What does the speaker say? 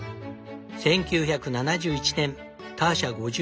１９７１年ターシャ５５歳。